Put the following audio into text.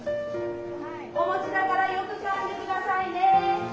お餅だからよくかんで下さいね。